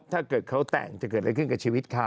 ถ้าเกิดเขาแต่งจะเกิดอะไรขึ้นกับชีวิตเขา